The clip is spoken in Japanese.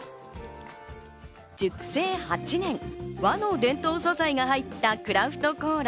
熟成８年、和の伝統素材が入ったクラフトコーラ。